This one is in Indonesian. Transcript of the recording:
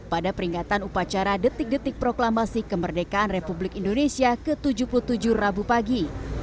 pada peringatan upacara detik detik proklamasi kemerdekaan republik indonesia ke tujuh puluh tujuh rabu pagi